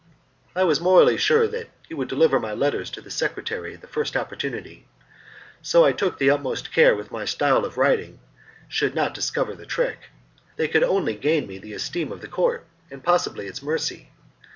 I was morally sure that he would deliver my letters to the secretary in the first opportunity, so I took the utmost care that my style of writing should not discover the trick. They could only gain me the esteem of the Court, and possibly its mercy.